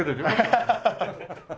アハハハハ。